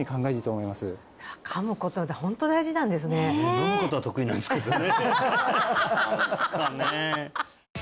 飲むことは得意なんですけどね